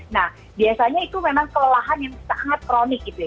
nah biasanya itu memang kelelahan yang sangat kronik gitu ya